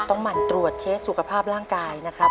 หมั่นตรวจเช็คสุขภาพร่างกายนะครับ